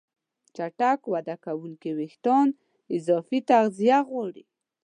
چټک وده کوونکي وېښتيان اضافي تغذیه غواړي.